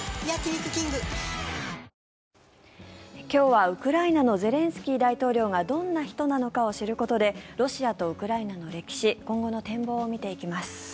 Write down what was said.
今日はウクライナのゼレンスキー大統領がどんな人なのかを知ることでロシアとウクライナの歴史今後の展望を見ていきます。